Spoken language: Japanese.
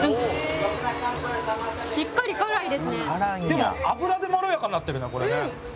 でも油でまろやかになってるねこれね。